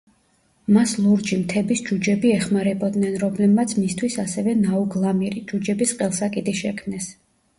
მას ლურჯი მთების ჯუჯები ეხმარებოდნენ, რომლებმაც მისთვის ასევე ნაუგლამირი, ჯუჯების ყელსაკიდი შექმნეს.